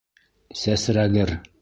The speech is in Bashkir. Сәсрәгер!